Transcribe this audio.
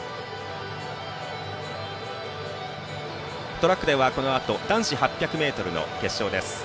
トラックでは、このあと男子８００ｍの決勝です。